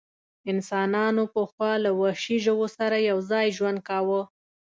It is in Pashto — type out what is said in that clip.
انسانانو پخوا له وحشي ژوو سره یو ځای ژوند کاوه.